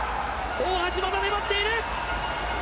大橋まだ粘っている！